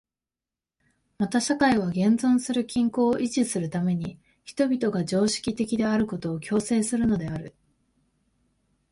また社会は現存する均衡を維持するために人々が常識的であることを強制するのである。